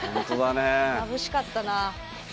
まぶしかったな。